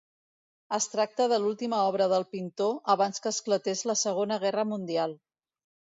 Es tracta de l'última obra del pintor abans que esclatés la Segona Guerra Mundial.